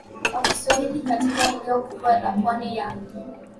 wa Kiswahili katika eneo kubwa la pwani ya